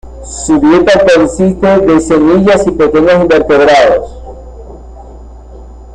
Su dieta consiste de semillas y pequeños invertebrados.